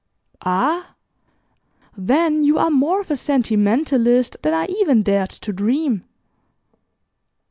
"Ah? Then you are more of a sentimentalist than I even dared to dream."